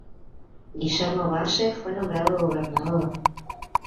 Guillermo Valle fue nombrado gobernador.